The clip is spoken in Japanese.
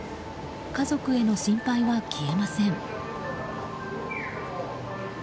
家族への心配は消えません。